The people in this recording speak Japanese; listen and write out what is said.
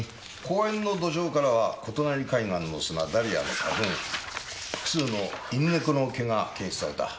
公園の土壌からは琴鳴海岸の砂ダリアの花粉複数の犬猫の毛が検出された。